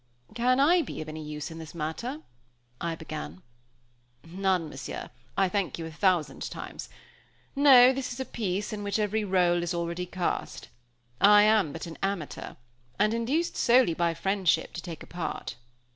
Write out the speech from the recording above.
"Can I be of any use in this matter?" I began. "None, Monsieur, I thank you a thousand times. No, this is a piece in which every rôle is already cast. I am but an amateur, and induced solely by friendship, to take a part."